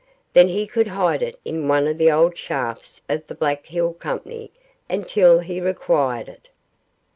Then he could hide it in one of the old shafts of the Black Hill Company until he required it.